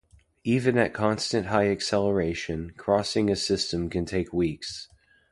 Even at constant high acceleration, crossing a system can take weeks.